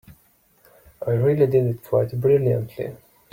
I really did it quite brilliantly.